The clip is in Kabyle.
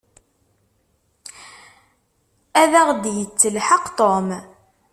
Ad aɣ-d-yettelḥaq Tom.